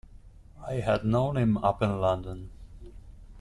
I had known him up in London.